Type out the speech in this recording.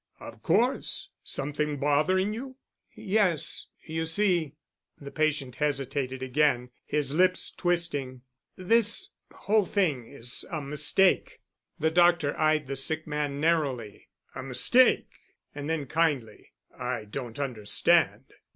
"Of course. Something bothering you?" "Yes. You see——" the patient hesitated again, his lip twisting, "this whole thing is a mistake." The doctor eyed the sick man narrowly. "A mistake?" And then kindly, "I don't understand."